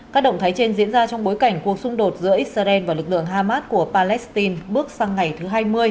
các động thái trên diễn ra trong bối cảnh cuộc xung đột giữa israel và lực lượng hamas của palestine bước sang ngày thứ hai mươi